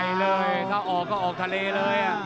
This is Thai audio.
เลยถ้าออกก็ออกทะเลเลย